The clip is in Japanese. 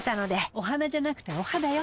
お花じゃなくてお肌よ。